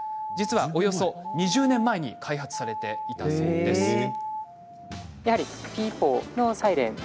実は、およそ２０年前に開発されていたといいます。